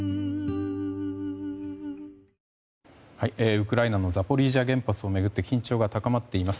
ウクライナのザポリージャ原発を巡って緊張が高まっています。